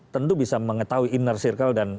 tentu bisa mengetahui inner circle dan